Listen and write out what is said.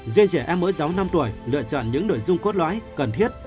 duyên trẻ em mỗi giáo năm tuổi lựa chọn những nội dung cốt loại cần thiết